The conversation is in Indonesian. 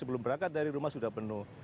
sebelum berangkat dari rumah sudah penuh